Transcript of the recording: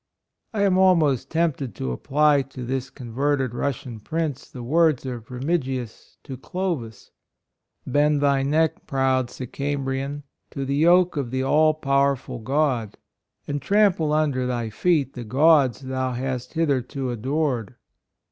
I am almost tempted to apply to this converted Russian Prince, the words of Remigius to Clovis. " Bend thy neck, proud Sicam brian, to the yoke of the all power ful God, and trample under thy feet the gods thou hast hitherto 4* 38 MILITARY LIFE, TRAVELS, &C. adored."